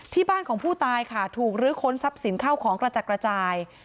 ที่บ้านของผู้ตายค่ะถูกลื้อค้นทรัพย์สินเข้าของกระจัดกระจาย